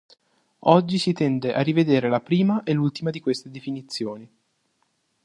Oggi si tende a rivedere la prima e l'ultima di queste definizioni.